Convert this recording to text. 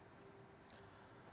rizal juga menegaskan